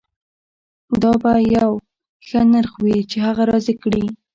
دا به یو ښه نرخ وي چې هغه راضي کړي